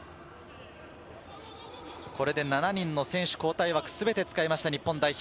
これで７人の選手交代枠を全て使いました日本代表。